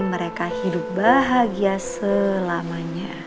mereka hidup bahagia selamanya